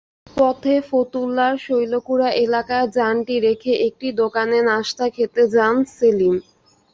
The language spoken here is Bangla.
পথে ফতুল্লার শৈলকুড়া এলাকায় যানটি রেখে একটি দোকানে নাশতা খেতে যান সেলিম।